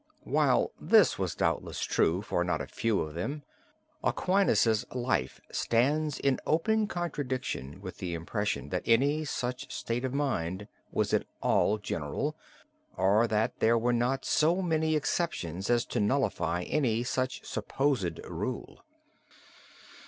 While this was doubtless true for not a few of them, Aquinas's life stands in open contradiction with the impression that any such state of mind was at all general, or that there were not so many exceptions as to nullify any such supposed rule.